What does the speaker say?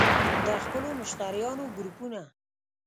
- د خپلو مشتریانو ګروپونه